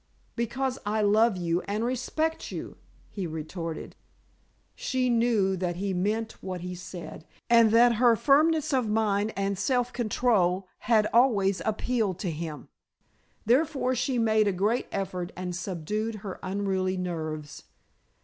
"Because I love you and respect you," he retorted. She knew that he meant what he said, and that her firmness of mind and self control had always appealed to him, therefore she made a great effort and subdued her unruly nerves.